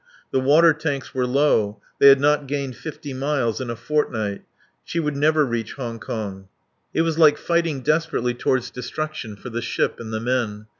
The water tanks were low, they had not gained fifty miles in a fortnight. She would never reach Hong Kong. It was like fighting desperately toward destruction for the ship and the men.